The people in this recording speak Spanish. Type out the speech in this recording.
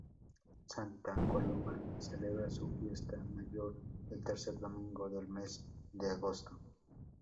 Santa Coloma celebra su fiesta mayor el tercer domingo del mes de agosto.